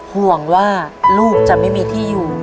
ห่วงว่าลูกจะไม่มีที่อยู่